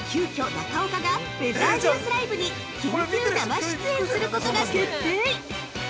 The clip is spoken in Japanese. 中岡がウェザーニュースＬｉＶＥに緊急生出演することが決定！